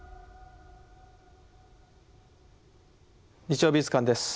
「日曜美術館」です。